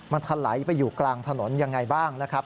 มันทะไหลไปอยู่กลางถนนยังไงบ้างนะครับ